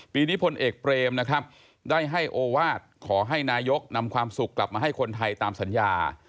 ปีนี้พลเอกเปรมนะครับได้ให้โอวาสขอให้นายกนำความสุขกลับมาให้คนไทยตามสัญญา